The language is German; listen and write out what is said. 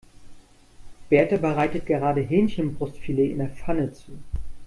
Berta bereitet gerade Hähnchenbrustfilet in der Pfanne zu.